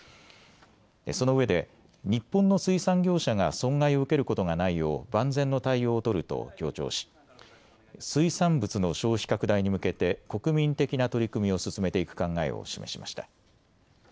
そのうえで日本の水産業者が損害を受けることがないよう万全の対応を取ると強調し水産物の消費拡大に向けて国民的な取り組みを進めていく考えを示しました。